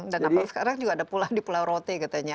dan sekarang juga ada pulau di pulau roti katanya